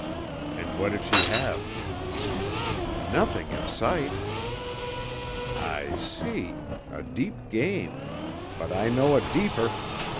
"And what did she have?" "Nothing in sight." "I see. A deep game. But I know a deeper.